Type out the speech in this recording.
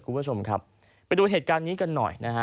คุณผู้ชมครับไปดูเหตุการณ์นี้กันหน่อยนะฮะ